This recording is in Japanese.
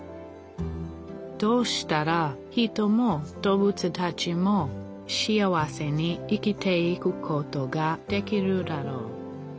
どうしたら人も動物たちも幸せに生きていくことができるだろう。